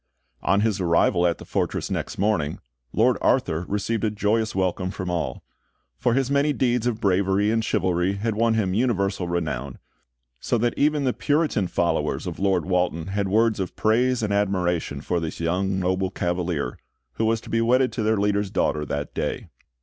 On his arrival at the fortress next morning, Lord Arthur received a joyous welcome from all; for his many deeds of bravery and chivalry had won him universal renown, so that even the Puritan followers of Lord Walton had words of praise and admiration for this noble young Cavalier, who was to be wedded to their leader's daughter that day.